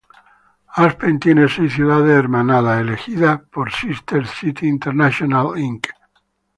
Aspen tiene seis ciudades hermanadas, elegidas por Sister Cities International, Inc.